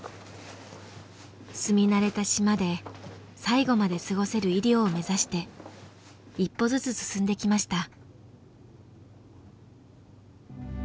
住み慣れた島で最期まで過ごせる医療を目指して一歩ずつ進んできました。